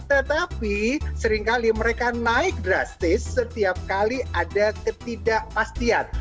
tetapi seringkali mereka naik drastis setiap kali ada ketidakpastian